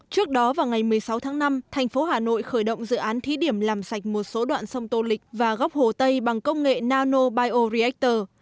trước đó vào ngày một mươi sáu tháng năm thành phố hà nội khởi động dự án thí điểm làm sạch một số đoạn sông tô lịch và góc hồ tây bằng công nghệ nanobioreactor